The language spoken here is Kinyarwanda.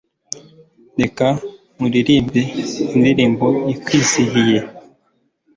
reka nkuririmbe, indirimbo ikwizihiye